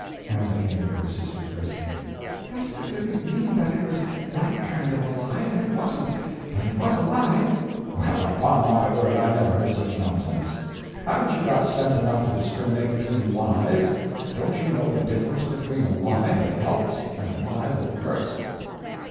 Hannah came to her sister's rescue: "Hester didn't mean that it was that kind of a lie, and it wasn't. But it was a lie." "Well, upon my word, I never heard such nonsense! Haven't you got sense enough to discriminate between lies! Don't you know the difference between a lie that helps and a lie that hurts?"